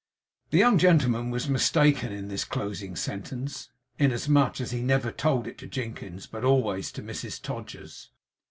The young gentleman was mistaken in this closing sentence, inasmuch as he never told it to Jinkins, but always to Mrs Todgers.